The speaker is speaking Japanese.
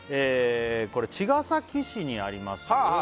これ茅ヶ崎市にあります